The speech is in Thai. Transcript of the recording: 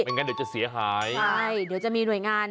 งั้นเดี๋ยวจะเสียหายใช่เดี๋ยวจะมีหน่วยงาน